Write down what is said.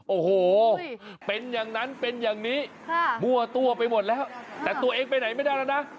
โอ้โหเป็นอย่างนั้นเป็นอย่างนี้มั่วตัวไปหมดแล้วแต่ตัวเองไปไหนไม่ได้แล้วนะ